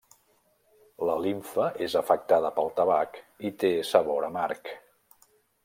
La limfa és afectada pel tabac, i té sabor amarg.